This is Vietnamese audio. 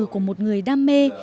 của một người đam mê